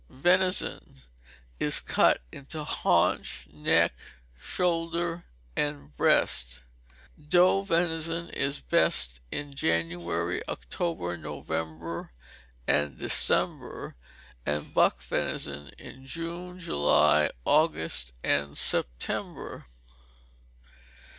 Venison is cut into haunch; neck; shoulder; and breast. _Doe venison is best in January, October, November, and December, and buck venison in June, July, August, and September.